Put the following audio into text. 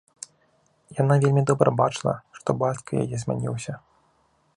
Яна вельмі добра бачыла, што бацька яе змяніўся.